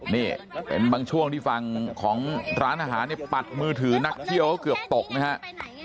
นี่เป็นบางช่วงที่ฝั่งของร้านอาหารเนี่ยปัดมือถือนักเที่ยวก็เกือบตกนะครับ